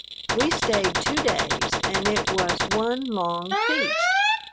We stayed two days and it was one long feast.